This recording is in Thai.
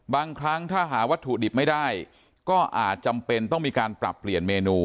บางครั้งถ้าหาวัตถุดิบไม่ได้ก็อาจจำเป็นต้องมีการปรับเปลี่ยนเมนู